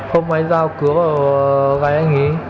hôm ấy dao cửa vào gáy anh ấy